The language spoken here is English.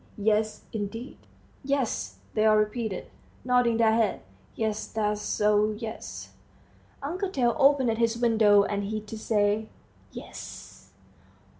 Yes, indeed." "Yes," they all repeated, nodding their heads, "yes that's so yes." Uncle Tail opened his window, and he too said, "Yes."